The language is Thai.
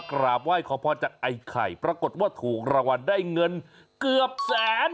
กราบไหว้ขอพรจากไอ้ไข่ปรากฏว่าถูกรางวัลได้เงินเกือบแสน